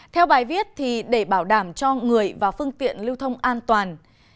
theo bài viết để bảo đảm cho người và phương tiện lưu thông an toàn